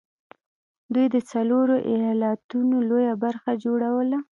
دوی د څلورو ايالتونو لويه برخه جوړوله